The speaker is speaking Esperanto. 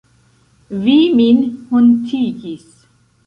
Vi min hontigis.